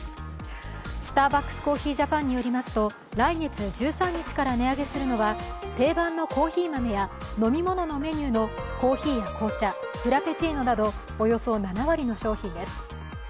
スターバックスコーヒージャパンによりますと来月１３日から値上げするのは定番のコーヒー豆や飲み物のメニューのコーヒーや紅茶フラペチーノなどおよそ７割の商品です。